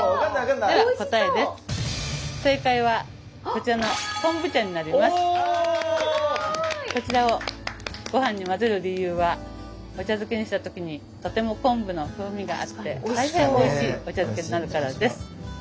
こちらをごはんに混ぜる理由はお茶漬けにした時にとても昆布の風味があって大変おいしいお茶漬けになるからです。